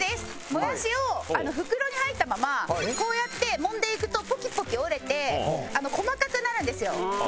もやしを袋に入ったままこうやってもんでいくとポキポキ折れて細かくなるんですよ。